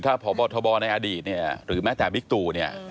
ถ้าพอบรรทบาปในอดีตหรือแม้แต่มิกตู